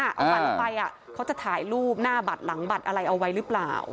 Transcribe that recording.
เอาบัตรลงไปเขาจะถ่ายรูปหน้าบัตรหลังบัตรอะไรเอาไว้หรือเปล่า